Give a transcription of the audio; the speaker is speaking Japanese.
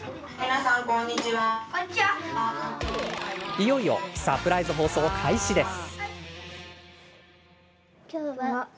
いよいよサプライズ放送開始です。